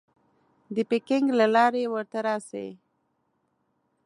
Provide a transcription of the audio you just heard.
د پیکنګ له لارې ورته راسې.